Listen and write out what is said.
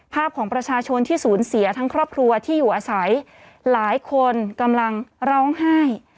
ภาพของประชาชนที่สูญเสียทั้งครอบครัวที่อยู่อาศัยหลายคนกำลังร้องไห้